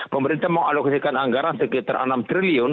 pemerintah mau alokasikan anggaran sekitar enam triliun